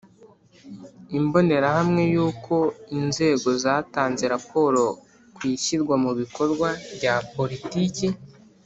Imbonerahamwe yo Uko inzego zatanze raporo ku ishyirwa mu bikorwa rya Politiki